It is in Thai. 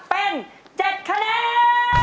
เป็นเจ็ดคะแนน